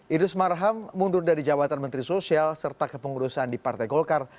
idrus marham mundur dari jabatan menteri sosial serta kepengurusan di partai golkar